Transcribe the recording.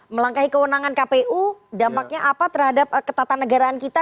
melangkahi kewenangan kpu dampaknya apa terhadap ketatanegaraan kita